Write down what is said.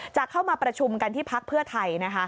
จะเข้ามาประชุมกันที่พักเพื่อไทย